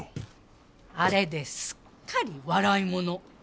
あれですっかり笑い者。